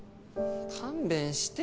勘弁して。